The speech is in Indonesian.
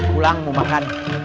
pulang mau makan